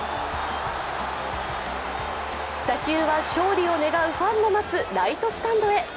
打球は勝利を願うファンの待つライトスタンドへ。